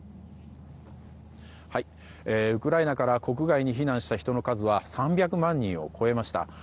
ウクライナから国外に避難した人の数は３００万人を超えました。